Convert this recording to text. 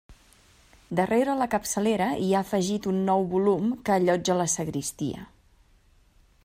Darrere la capçalera hi ha afegit un nou volum que allotja la sagristia.